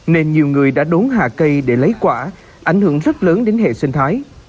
nên nhiều người đã đốn hạ cây để lấy quả ảnh hưởng rất lớn đến hệ sinh thái